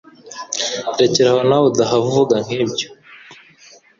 rekeraho nawe udahava uvuga nkibyo